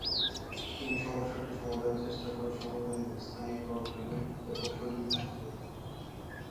তিনি সমস্যাটি সমাধানের চেষ্টা করেও সফল হননি স্থানীয় প্রভাবশালী ব্যক্তিদের অসহযোগিতার কারণে।